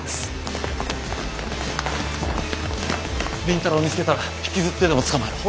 倫太郎を見つけたら引きずってでも捕まえろ。